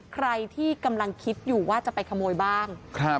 ใครที่กำลังคิดอยู่ว่าจะไปขโมยบ้าง